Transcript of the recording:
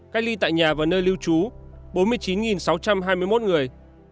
cách ly tại nhà và nơi lưu trú bốn mươi chín sáu trăm hai mươi một người